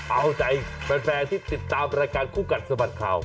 เอาใจแฟนที่ติดตามรายการคู่กัดสะบัดข่าว